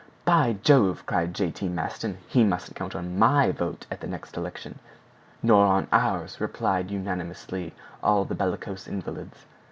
"By Jove!" cried J. T. Maston, "he mustn't count on my vote at the next election!" "Nor on ours," replied unanimously all the bellicose invalids.